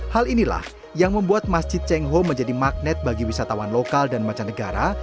hal inilah yang membuat masjid cengho menjadi magnet bagi wisatawan lokal dan mancanegara